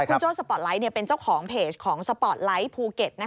คุณโจ้สปอร์ตไลท์เป็นเจ้าของเพจของสปอร์ตไลท์ภูเก็ต